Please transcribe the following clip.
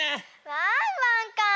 ワンワンか。